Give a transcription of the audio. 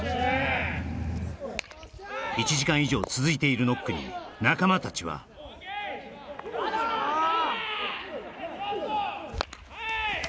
１時間以上続いているノックに仲間たちは・はーい！